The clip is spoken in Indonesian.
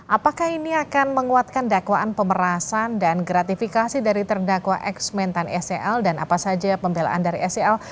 apakah ini akan menguatkan dakwaan pemerasan dan gratifikasi dari terdakwa ex mentan scl dan apa saja pembelaan dari sel